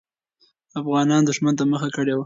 افغانان دښمن ته مخه کړې وه.